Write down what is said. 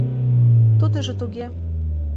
Тудыжо туге...